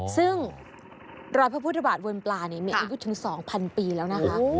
ซึ่งรอยพระพุทธบาทบนปลามีอายุถึง๒๐๐ปีแล้วนะคะ